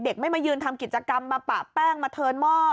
เด็กไม่มายืนทำกิจกรรมมาปะแป้งมะเธินม่อ